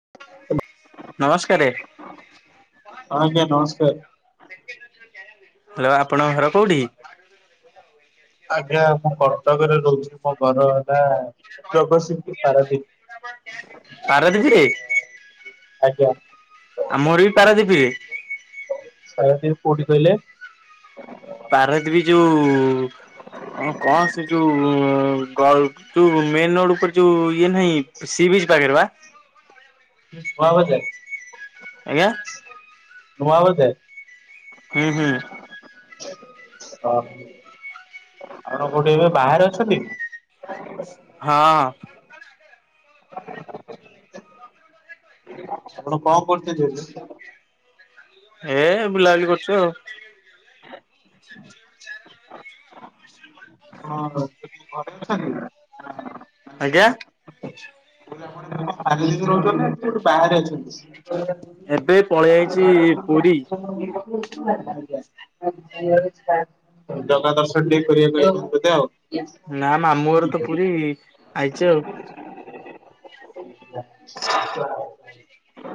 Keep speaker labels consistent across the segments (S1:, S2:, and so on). S1: [unintelligible]
S2: ନମସ୍କାରେ।
S1: ହଁ ଆଜ୍ଞା ନମସ୍କାର।
S2: ହାଲୋ, ଆପଣଙ୍କ ଘର କୋଉଠି?
S1: ଆଜ୍ଞା ମୁଁ କଟକରେ ରହୁଛି, ମୋ ଘର ହେଲା ଜଗତସିଂକି, ପାରାଦୀପ୍।
S2: ପାରାଦୀପି ରେ?
S1: ଆଜ୍ଞା।
S2: ଆମ ଘର ବି ପାରାଦୀପ୍ ରେ।
S1: [unintelligible] କୋଉଠି କହିଲେ?
S2: ପାରଦୀପି ଯୋଉ ହଁ କଣ ସେ ଯୋଉ ଗଲ୍, ଯୋଉ ମେନ୍ ରୋଡ ଉପରେ ଯୋଉ ଇଏ ନାହିଁ, ସି ବିଚ୍ ପାଖରେ ପା।
S1: ନୂଆବଜାର।
S2: ଆଜ୍ଞା।
S1: ନୂଆବଜାର?
S2: ହୁଁ ହୁଁ।
S1: ହ, ଆପଣ କୋଉଠି ଏବେ ବାହାରେ ଅଛନ୍ତି?
S2: ହଁ ଅ
S1: ଆପଣ କଣ କରଚନ୍ତି ଏବେ?
S2: ଏ ବୁଲାବୁଲି କରୁଚୁ ଆଉ।
S1: [unintelligible] ହଁ, ଘରେ ଅଛନ୍ତି?
S2: ଆଜ୍ଞା।
S1: [unintelligible] ରହୁଚନ୍ତି ନା, ଏମିତି କୋଉଠି ବାହାରେ ଅଛନ୍ତି?
S2: ଏବେ ପଳେଇ ଆଇଚି ପୁରୀ।
S1: [unintelligible] ଜଗା ଦର୍ଶନ ଟିକେ କରିବାକୁ ଆଇଚନ୍ତି ବୋଧେ ଆଉ?
S2: ନା ମାମୁଁ ଘର ତ ପୁରୀ, ଆଇଚି ଆଉ।
S1: [unintelligible]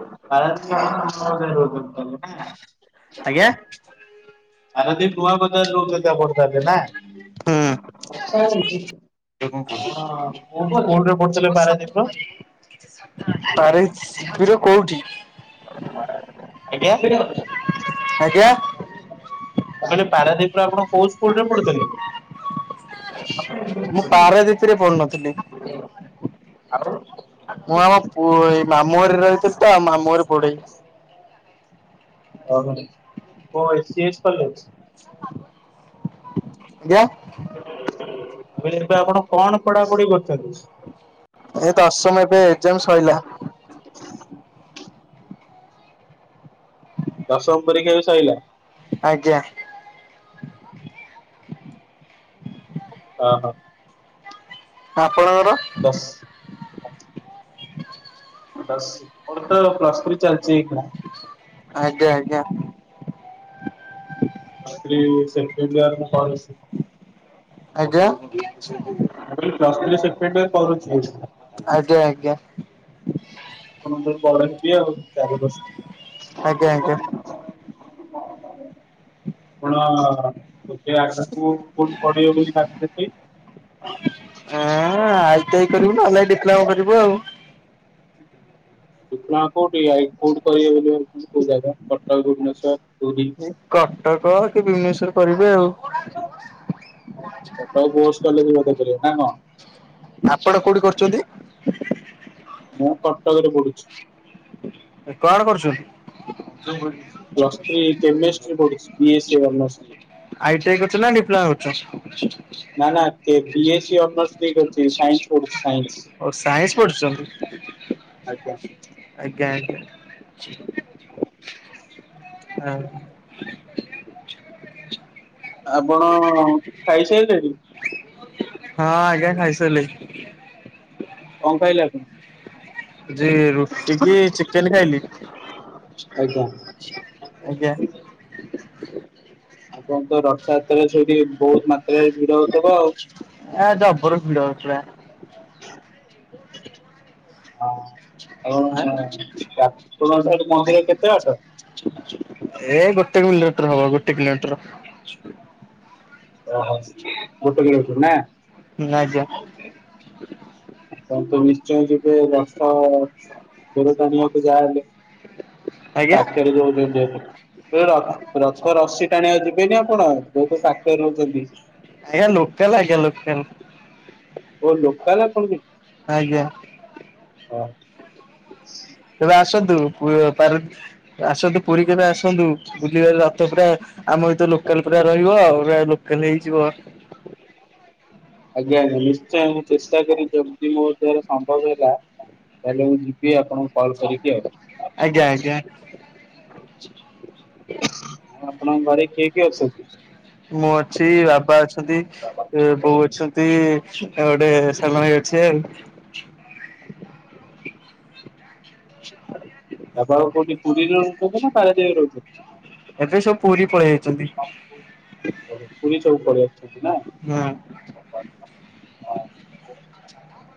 S1: [unintelligible]
S2: ଆଜ୍ଞା।
S1: ପାରାଦ୍ୱୀପ ନୂଆ ବଜାର ରେ ରହୁଚନ୍ତି ଆପଣ ତାହାଲେ ନା?
S2: ହୁଁ
S1: କୋଉ ପା, କୋଉଠି ପଢୁଥିଲେ ପାରାଦ୍ୱୀପର।
S2: ତାରିଚ୍ ଶିବିର କୋଉଠି?
S1: [unintelligible] ଆଜ୍ଞା।
S2: ଆଜ୍ଞା।
S1: ମୁଁ କହିଲି ପାରାଦୀପରେ ଆପଣ କୋଉ ସ୍କୁଲରେ ପଢୁଥିଲେ?
S2: ମୁଁ ପାରାଦୀପ ରେ ପଢୁନଥିଲି।
S1: ଆଉ?
S2: ମୁଁ ଆମ ପୁ ଏଇ ମାମୁଁ ଘରେ ରହିଥିଲି ତ ଆମ ମାମୁଁ ଘରେ ପଢ଼େଇଁ।
S1: ଅହ କୋଉ ଏ ସି ଏସ କଲେଜ୍?
S2: ଆଜ୍ଞା?
S1: ମୁଁ କହିଲି ସେଟା ଆପଣ କଣ ପଢାପଢି କରୁଛନ୍ତି?
S2: ଏ ଦସମ ଏବେ ଏଗ୍ଜାମ୍ ସଇଲା।
S1: ଦଶମ ପରୀକ୍ଷା ବି ସଇଲା?
S2: ଆଜ୍ଞା।
S1: ଅହ।
S2: ଆପଣଙ୍କର?
S1: ଦଶ [unintelligible] ମୋର ତ ପ୍ଲସ୍ ଥ୍ରୀ ଚାଲିଚି ଏଇଖିଣା।
S2: ଆଜ୍ଞା ଆଜ୍ଞା।
S1: ପ୍ଲସ୍ ଥ୍ରି ସେକେଣ୍ଡ ଇୟର ମୁଁ କରିଚି।
S2: ଆଜ୍ଞା?
S1: ମୁଁ କହିଲି ପ୍ଲସ୍ ଥ୍ରି ସେକେଣ୍ଡ ଇୟର କରୁଚି।
S2: ଆଜ୍ଞା ଆଜ୍ଞା।
S1: ଆପଣଙ୍କ [unintelligible] ଚାରି ବର୍ଷ
S2: ଆଜ୍ଞା ଆଜ୍ଞା।
S1: [unintelligible] ଆପଣ ଏବେ ଆଗକୁ କୋଉଠି ପଢିବେ ବୋଲି ଭାବିଛନ୍ତି?
S2: ହଁ ଆଇଟିଆଇ କରିବୁ ନହେଲେ ନାହିଁ ଡିପ୍ଲୋମା କରିବୁ ଆଉ।
S1: ଡିପ୍ଲୋମା କୋଉଠି ଆଇ କଉଠି କରିବ ବୋଲି ଭାବିଚନ୍ତି କୋଉ ଜାଗା କଟକ ଭୁବନେଶ୍ୱର? ପୁରୀ?
S2: ଏଇ କଟକ କି ଭୁବନେଶ୍ଵର କରିବି ଆଉ।
S1: କଟକ କୋଉ ହଷ୍ଟେଲରେ [unintelligible] କରିବ ନା କଣ?
S2: ଆପଣ କୋଉଠି କରୁଛନ୍ତି?
S1: ମୁଁ କଟକରେ ପଢ଼ୁଛି।
S2: ଏ କଣ କରୁଛନ୍ତି?
S1: ପ୍ଲସ୍ ଥ୍ରୀ କେମିଷ୍ଟ୍ରି ପଢୁଛି ବି ଏସ ସି ଅନର୍ଶ ରେ।
S2: ଆଇଟିଆଇ କରୁଚ ନା ଡିପ୍ଲୋମା କରୁଚ?
S1: ନା ନା ବି ଏ ସି ଅନର୍ଶ ରେ କରୁଛି ସାଇନ୍ସ ପଢୁଛି ସାଇନ୍ସ।
S2: ଓ ସାଇନ୍ସ
S1: ଆଜ୍ଞା।
S2: ପଢୁଛନ୍ତି ଆଜ୍ଞା ଆଜ୍ଞା। [unintelligible]
S1: ଆପଣ ଖାଇସାଇଲେଣି?
S2: ହଁ ଆଜ୍ଞା ଖାଇସାରିଲି।
S1: କଣ ଖାଇଲେ ଆପଣ?
S2: ଆଜି ରୁଟି କି ଚିକେନ ଖାଇଲି।
S1: ଆଜ୍ଞା।
S2: ଆଜ୍ଞା। [unintelligible]
S1: ଆପଣ ତ ରଥଯାତ୍ରା ରେ ସେଇଠି ବହୁତ ମାତ୍ରାରେ ଭିଡ ହଉଥିବ ଆଉ।
S2: ଆ ଜବର ଭିଡ ହଉଥିଲା।
S1: ହଁ ଆଉ ଯାଜପୁର [unintelligible] ମନ୍ଦିର କେତେ ବାଟ?
S2: ଏଇ ଗୋଟେ କିଲୋମିଟର ହବ, ଗୋଟେ କିଲୋମିଟର।
S1: ଓହୋ, ଗୋଟେ କିଲୋମିଟର ନା।
S2: ନା, ଆଜ୍ଞା।
S1: ହଁ ତ ନିଶ୍ଚୟ ଯିବେ [unintelligible] ଯାହା ହେଲେ।
S2: ଆଜ୍ଞା
S1: କାଠରେ ଯଉ [unintelligible] [unintelligible] ରଥ ର ରସି ଟାଣିବାକୁ ଯିବେନି ଆପଣ, ବହୁତ ପାଖରେ ରହୁଛନ୍ତି?
S2: ଆଜ୍ଞା। ଲୋକାଲ, ଆଜ୍ଞା, ଲୋକାଲ।
S1: ଓ ଲୋକଲ ଆପଣ ସେ [unintelligible]
S2: ଆଜ୍ଞା।
S1: ହଁ।
S2: ଏବେ ଆସନ୍ତୁ ପୁ ପାରୁ ଆସନ୍ତୁ, ପୁରୀ କେବେ ଆସନ୍ତୁ ବୁଲିବାଲି ରଥ ପୁରା ଆମ ଭିତରୁ ଲୋକାଲ ପୁରା ରହିବ ଆଉ ପୁରା ଲୋକାଲ ହେଇଯିବ।
S1: ଆଜ୍ଞା, ଆଜ୍ଞା। ନିଶ୍ଚୟ ମୁଁ ଚେଷ୍ଟା କରି ଯେଦି ମୋ ଦ୍ୱାରା ସମ୍ଭବ ହେଲା ତାହେଲେ ମୁଁ ଯିବି ଆପଣଙ୍କୁ କଲ୍ କରିବି ଆଉ।
S2: ଆଜ୍ଞା, ଆଜ୍ଞା।
S1: ଆଉ ଆପଣଙ୍କ ଘରେ କିଏ କିଏ ଅଛ ସବୁ?
S2: ମୁଁ ଅଛି, ବାବା ଅଛନ୍ତି, ବୋଉ ଅଛନ୍ତି, ଆଉ ଗୋଟେ ସାନ ଭାଇ ଅଛି ଆଉ।
S1: ଆପଣ କୋଉଠି ପୁରୀରେ ରହୁଛନ୍ତି ନା ପାରାଦୀପରେ ରହୁଛନ୍ତି?
S2: ଏବେ ସବୁ ପୁରୀ ପଳେଇଆଚନ୍ତି।
S1: ଓହ। ପୁରୀ ସବୁ ପଳେଇ ଆଇଛନ୍ତି ନା?
S2: ହଁ,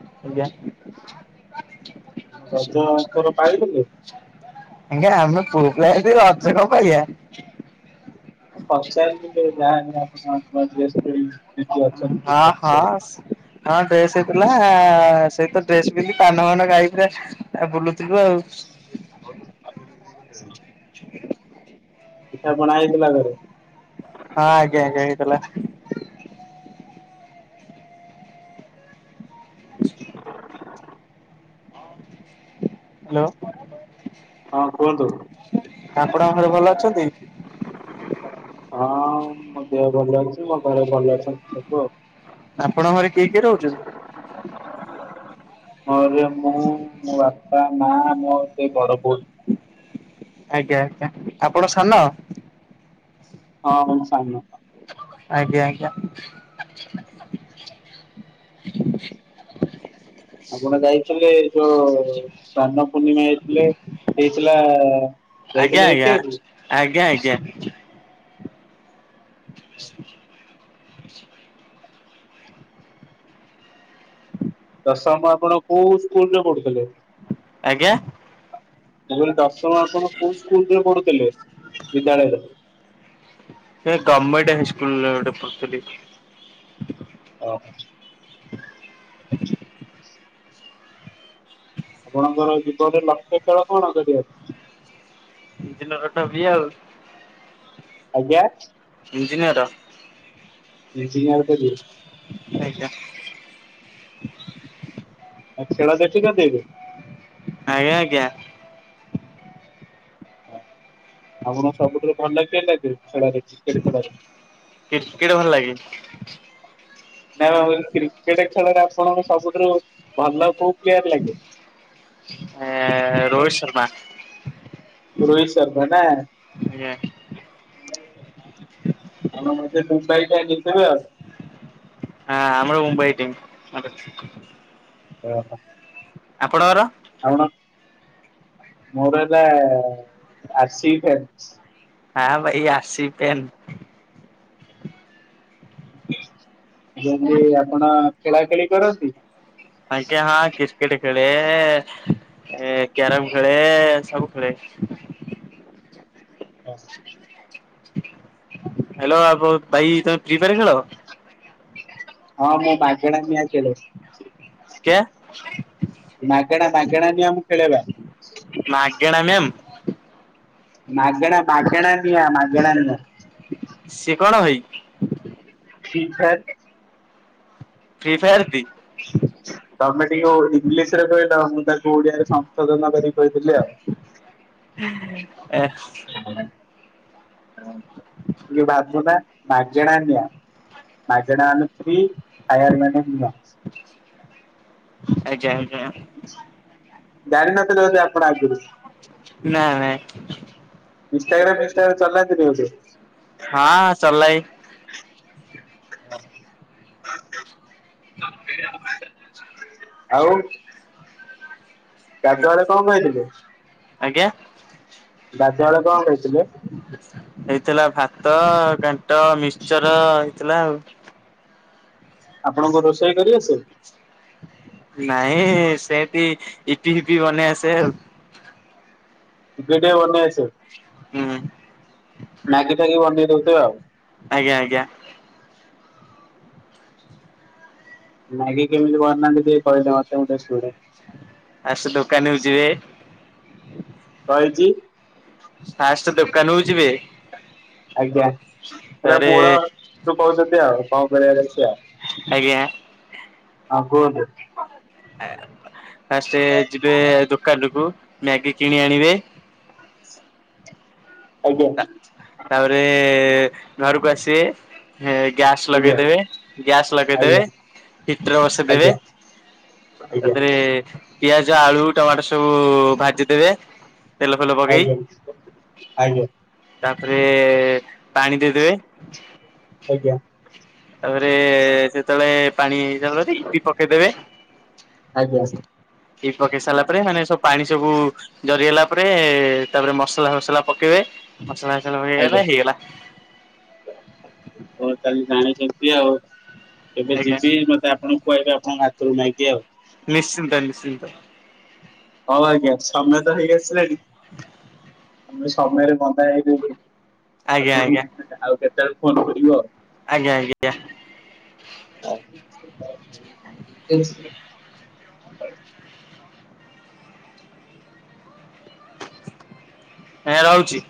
S2: ଆଜ୍ଞା।
S1: ରଜ ଏଥର ପାଳିଥିଲେ?
S2: ଆଜ୍ଞା, ଆମେ ପୁଅ ପିଲା ହେଇଚୁ ରଜ କଣ ପାଳିଆ?
S1: ପଚାରିଲି [unintelligible] ଯାହା ଆପଣ [unintelligible] ଅଛନ୍ତି।
S2: ହଁ, ହଁ। ଡ୍ରେସ୍ ହେଇଥିଲା ସେଇତ ଡ୍ରେସ ପିନ୍ଧି ପାନ ଫାନ ଖାଇ ପୁରା ବୁଲୁଥିଲୁ ଆଉ।
S1: [inaudible] ପିଠା ପଣା ହେଇଥିଲା ଘରେ?
S2: ହଁ ଆଜ୍ଞା, ଆଜ୍ଞା ହେଇଥିଲା।
S1: [unintelligible]
S2: ହ୍ୟାଲୋ।
S1: ହଁ କୁହନ୍ତୁ?
S2: ଆପଣଙ୍କ ଘରେ ଭଲ ଅଛନ୍ତି?
S1: ହଁ ମୋ ଦେହ ଭଲ ଅଛି। ମୋ ଘରେ ଭଲ ଅଛନ୍ତି ସବୁ ଆଉ,
S2: ଆପଣଙ୍କ ଘରେ କିଏ କିଏ ରହୁଚନ୍ତି?
S1: ମୋରେ ମୁଁ, ମୋ ବାପା, ମା, ମୋ ସେ [unintelligible]
S2: ଆଜ୍ଞା, ଆଜ୍ଞା ଆପଣ ସାନ?
S1: ହଁଁ ମୁଁ ସାନ।
S2: ଆଜ୍ଞା, ଆଜ୍ଞା।
S1: ଆପଣ ଯାଇଥିଲେ ଯୋଉ ସ୍ନାନ ପୂର୍ଣ୍ଣିମା ହେଇଥିଲେ ହେଇଥିଲା
S2: ଆଜ୍ଞା,
S1: ଯାଇଥିଲେ ଦେଖିବାକୁ
S2: ଆଜ୍ଞା, ଆଜ୍ଞା, ଆଜ୍ଞା।
S1: ଦଶମ ଆପଣ କୋଉ ସ୍କୁଲ ରେ ପଢୁଥିଲେ?
S2: ଆଜ୍ଞା।
S1: ମୁଁ କହିଲି ଦଶମ ଆପଣ କୋଉ ସ୍କୁଲରେ ପଢୁଥିଲେ, ବିଦ୍ୟାଳୟରେ?
S2: ଏ ଗମେଟ ହାଇସ୍କୁଲ୍ ରେ ଗୋଟେ ପଢ଼ୁଥିଲି।
S1: ଓ। ଆପଣଙ୍କର ଜୀବନରେ ଲକ୍ଷ୍ୟ [unintelligible] କଣ କରିବା?
S2: [unintelligible] ବି ଏ ଆଉ।
S1: ଆଜ୍ଞା।
S2: ଇଞ୍ଜିନିୟର।
S1: ଇଞ୍ଜିନିୟର। [unintelligible]
S2: [unintelligible]
S1: ଆଉ ଖେଳ ଦେଖୁଛନ୍ତି ଏବେ?
S2: ଆଜ୍ଞା ଆଜ୍ଞା।
S1: ଆମର ସବୁଠୁ ଭଲ ଖେଳିଲା କିଏ, ଖେଳରେ କ୍ରିକେଟ ଖେଳରେ?
S2: [unintelligible] ଭଲ ଲାଗେ।
S1: ନା ବା କ୍ରିକେଟ ଖେଳରେ ଆପଣଙ୍କୁ ସବୁଠୁରୁ ଭଲ କୋଉ ପ୍ଲେୟାର ଲାଗେ?
S2: ଆ ରୋହିତ ଶର୍ମା।
S1: ରୋହିତ ଶର୍ମା ନା।
S2: ଆଜ୍ଞା।
S1: ଆମର ନହେଲେ ଦୁବାଇ ଟା ଜିତିବ।
S2: ହଁ ଆମର ମୁମ୍ବାଇ ଟିମ୍।
S1: ଓ ହୋ।
S2: ଆପଣଙ୍କର?
S1: ଆଉ କଣ, ମୋର ବା ଆର୍ ସି ବି [unintelligible]
S2: ହଁ ଭାଇ ଆର୍ ସି ବି ଫ୍ୟାନ।
S1: ହେଲେ ଆପଣ ଖେଳା ଖେଳି କରନ୍ତି?
S2: ଆଜ୍ଞା ହଁ କ୍ରିକେଟ ଖେଳେ। ଏ କ୍ୟାରମ୍ ଖେଳେ ସବୁ ଖେଳେ।
S1: ବାସ୍।
S2: ହ୍ୟାଲୋ ଆଉ ଭାଇ ତମେ ଫ୍ରି ଫାୟାର ଖେଳ?
S1: ହଁ ମୁଁ ମାଗେଣା ନିଆଁ ଖେଳେ।
S2: କ୍ୟା
S1: ମାଗେଣା ମାଗେଣା ନିଆଁ ମୁଁ ଖେଳେ ବା।
S2: ମାଗେଣା [unintelligible]
S1: ମାଗେଣା ମାଗେଣା ନିଆଁ ମାଗେଣା ନିଆଁ।
S2: ସିଏ କଣ ହଇ?
S1: ଫ୍ରୀ ଫା
S2: ଫ୍ରି ଫାୟାର ବି।
S1: ତମେ ଟିକେ ଇଂଲିଶରେ କହିଲ, ମୁଁ ତାକୁ ଓଡିଆରେ ସଂଶୋଧନ କରି କହିଦେଲି ଆଉ।
S2: ହୁଁ ହୁଁ ଏ
S1: ଟିକେ ଭାବୁନା ମାଗେଣା ନିଆଁ। ମାଗେଣା ମାନେ ଫ୍ରି, ଫାୟାର ମାନେ ନିଆଁ।
S2: ଆଚ୍ଛା ଆଚ୍ଛା।
S1: ଜାଣିନଥିଲେ ବୋଧେ ଆପଣ ଆଗରୁ?
S2: ନାଇଁ।
S1: ଇନଷ୍ଟାଗ୍ରାମ ଫିଷ୍ଟାଗ୍ରାମ ଚଲାନ୍ତିନି ବୋଧେ?
S2: ହଁ ଚଲାଏ।
S1: ଆଉ ଗାଧୁଆ ବେଳେ କଣ ଖାଇଥିଲେ?
S2: ଆଜ୍ଞା?
S1: ଗାଧୁଆ ବେଳେ କଣ ଖାଇଥିଲେ?
S2: [inaudible] ହେଇଥିଲା ଭାତ, ଘାଣ୍ଟ, ମିକ୍ସ୍ଚର ହେଇଥିଲା ଆଉ।
S1: ଆପଣକୁ ରୋଷେଇ କରି ଆସେ?
S2: ନାଇଁ ସେନ୍ତି ଇପିି ଫିପି ବନେଇ ଆସେ ଆଉ।
S1: ଟିକେ-ଟିକେ ବନେଇ ଆସେ,
S2: ହୁଁ।
S1: ମ୍ୟାଗି ଫ୍ୟାଗି ବନେଇ ଦଉଥିବେ ଆଉ।
S2: ଆଜ୍ଞା-ଆଜ୍ଞା।
S1: ମ୍ୟାଗି କେମିତି ବନାନ୍ତି ଟିକେ କହିଲେ ମତେ ମୁଁ ଟିକେ ଶୁଣେ।
S2: ଫାଷ୍ଟ ଦୋକାନକୁୁ ଯିବେ।
S1: [inaudible]
S2: ଫାଷ୍ଟ ଦୋକାନକୁ ଯିବେ।
S1: ଆଜ୍ଞା ପୁରା
S2: ତାରେ
S1: ମୂଳରୁ କହୁଚନ୍ତି ଆଉ କଣ କରିବାର ଅଛି ଆଉ।
S2: ଆଜ୍ଞା।
S1: ହଁ କୁହନ୍ତୁ।
S2: ଫାଷ୍ଟ ଯିବେ ଦୋକାନକୁୁ ମ୍ୟାଗି କିଣି ଆଣିବେ।
S1: ଆଜ୍ଞା।
S2: ତାପରେ ଘରୁକୁ ଆସିବେ। ହେ ଗ୍ୟାସ୍
S1: ଆଜ୍ଞା
S2: ଲଗେଇଦେବେ ଗ୍ୟାସ୍ ଲଗେଇଦେବେ
S1: ଆଜ୍ଞା।
S2: ହିଟର୍ ବସେଇଦେବେ।
S1: ଆଜ୍ଞା ଆଜ୍ଞା
S2: ସେଥିରେ ପିଆଜ ଆଳୁ ଟମାଟୋ ସବୁ ଭାଜିଦେବେ ତେଲ ଫେଲ ପକେଇ।
S1: ଆଜ୍ଞା ଆଜ୍ଞା।
S2: ତାପରେ ପାଣି ଦେଇଦେବେ।
S1: ଆଜ୍ଞା।
S2: ତାପରେ ସେତଳେ ପାଣି ଦେଲନି ଇପି ପକେଇ ଦେବେ।
S1: ଆଜ୍ଞା।
S2: ଇପି ପକେଇ ସାରିଲା ପରେ ମାନେ ସବୁ ପାଣି ସବୁ ଜାରିଗଲା ପରେ ତାପରେ ମସଲା ଫସଲା ପକେଇବେ, ମସଲା ଫସଲା ପକେଇବା
S1: ଆଜ୍ଞା
S2: ପରେ ହେଇଗଲା।
S1: [unintelligible] ତାହେଲେ ଜାଣିଚନ୍ତି ଆଉ, କେବେ
S2: ଆଜ୍ଞା
S1: ଯିବି ମତେ ଆ ଆପଣ ଖୁଆଇବେ ଆପଣଙ୍କ ହାତରୁ ମ୍ୟାଗି ଆଉ।
S2: ନିଶ୍ଚିନ୍ତ-ନିଶ୍ଚିନ୍ତ।
S1: ହଁ ଆଜ୍ଞା ସମୟ ତ ହେଇ ଆସିଲାଣି
S2: [inaudible]
S1: ସମୟରେ ବନ୍ଧା [unintelligible]
S2: ଆଜ୍ଞା
S1: ଆଉ
S2: ଆଜ୍ଞା।
S1: କେତେବେଳେ ଫୋନ୍ [unintelligible] ଆଉ।
S2: ଆଜ୍ଞା-ଆଜ୍ଞା।
S1: [unintelligible]
S2: [unintelligible] ରହୁଚି।